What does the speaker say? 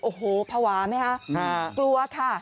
โอ้โหภาวะไหมคะกลัวค่ะ